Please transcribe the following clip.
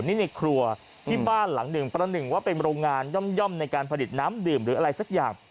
นี่ในครัวที่บ้านหลังหนึ่งประหนึ่งว่าเป็นโรงงานย่อมในการผลิตน้ำดื่มหรืออะไรสักอย่าง